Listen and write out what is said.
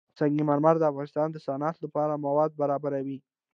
سنگ مرمر د افغانستان د صنعت لپاره مواد برابروي.